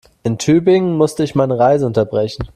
In Tübingen musste ich meine Reise unterbrechen